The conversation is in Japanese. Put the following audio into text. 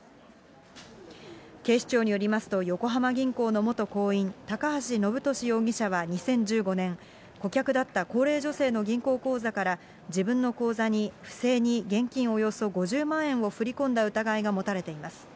警視庁によりますと、横浜銀行の元行員、高橋延年容疑者は２０１５年、顧客だった高齢女性の銀行口座から自分の口座に不正に現金およそ５０万円を振り込んだ疑いが持たれています。